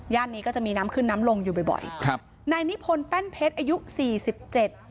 นี้ก็จะมีน้ำขึ้นน้ำลงอยู่บ่อยบ่อยครับนายนิพนธ์แป้นเพชรอายุสี่สิบเจ็ด